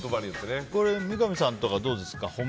三上さんとか、どうですか？